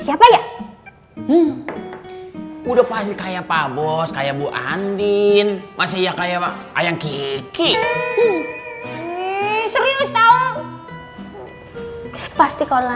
siapa ya udah pasti kayak pak bos kayak bu andin masih ya kayak ayam kiki serius tau pasti kalau